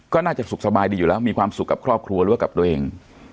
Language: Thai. ก็น่าจะสุขสบายดีอยู่แล้วมีความสุขกับครอบครัวหรือว่ากับตัวเอง